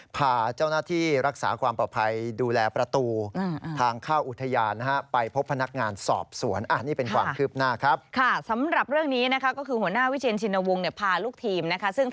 เพราะเมื่อวานหัวหน้าวิทเชียน